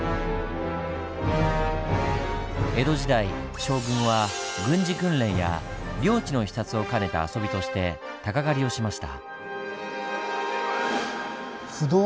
江戸時代将軍は軍事訓練や領地の視察を兼ねた遊びとして鷹狩りをしました。